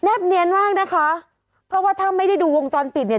เนียนมากนะคะเพราะว่าถ้าไม่ได้ดูวงจรปิดเนี่ย